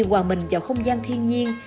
hoàng bình vào không gian thiên nhiên